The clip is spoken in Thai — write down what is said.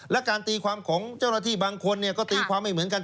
และการตีความของเจ้าหน้าที่บางคนก็ตีความไม่เหมือนกัน